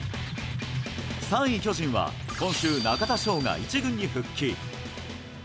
３位、巨人は今週、中田翔が１軍に復帰。